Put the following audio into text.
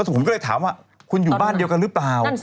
ผมก็เลยถามว่าคุณอยู่บ้านเดียวกันหรือเปล่า